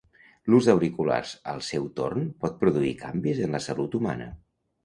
L'ús d'auriculars al seu torn pot produir canvis en la salut humana.